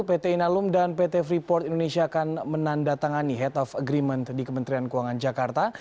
pt inalum dan pt freeport indonesia akan menandatangani head of agreement di kementerian keuangan jakarta